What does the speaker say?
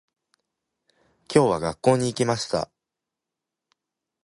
今日は、学校に行きました。